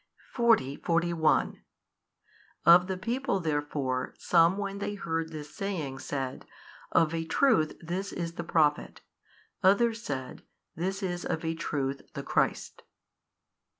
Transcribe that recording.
40, 41 Of the people therefore some when they heard this saying said, Of a truth this is the Prophet. Others said, This is of a truth 9 the Christ.